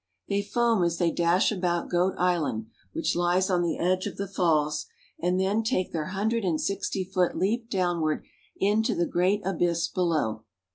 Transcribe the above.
They foam as they dash about Goat Island, which lies on the edge of the falls, and then take their hundred and sixty foot leap downward into the great abyss below.